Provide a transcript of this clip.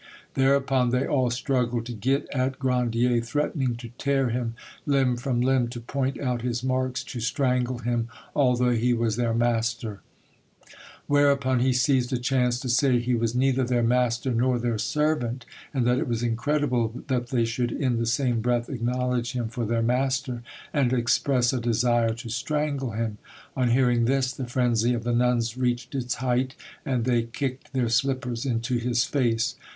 Thereupon they all struggled to get at Grandier, threatening to tear him limb from limb, to point out his marks, to strangle him although he was their master; whereupon he seized a chance to say he was neither their master nor their servant, and that it was incredible that they should in the same breath acknowledge him for their master and express a desire to strangle him: on hearing this, the frenzy of the nuns reached its height, and they kicked their slippers into his face.